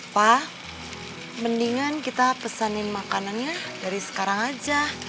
pak mendingan kita pesanin makanannya dari sekarang aja